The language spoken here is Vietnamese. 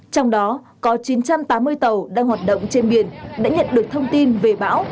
trong đó có chín trăm tám mươi tàu đang hoạt động trên biển đã nhận được thông tin về bão